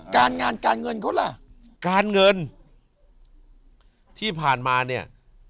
การงานการเงินเขาล่ะการเงินที่ผ่านมาเนี่ย